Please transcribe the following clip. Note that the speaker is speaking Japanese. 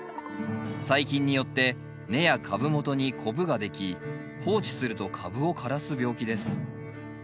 細菌によって根や株元にコブができ放置すると株を枯らす病気です。